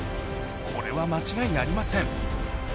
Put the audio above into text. これは間違いありません